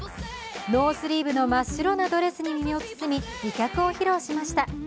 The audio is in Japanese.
ノースリーブの真っ白なドレスに身を包み、美脚を披露しました。